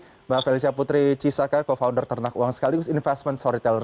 terima kasih mbak felicia putri cisaka co founder ternak uang sekaligus investment stor retailer